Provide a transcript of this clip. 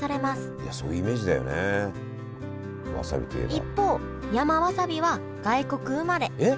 一方山わさびは外国生まれえっ！？